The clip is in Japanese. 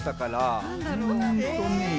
うんとね